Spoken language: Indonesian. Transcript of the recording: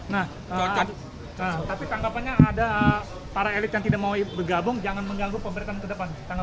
nah tapi tanggapannya ada para elit yang tidak mau bergabung jangan mengganggu pemerintahan ke depan